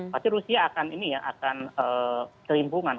pasti rusia akan ini ya akan kelimpungan